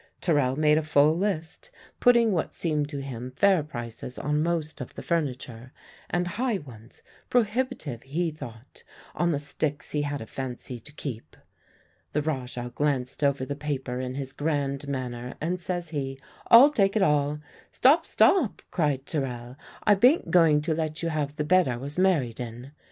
Terrell made a full list, putting what seemed to him fair prices on most of the furniture, and high ones prohibitive he thought on the sticks he had a fancy to keep. The Rajah glanced over the paper in his grand manner, and says he, "I'll take it all." "Stop! stop!" cried Terrell, "I bain't going to let you have the bed I was married in!"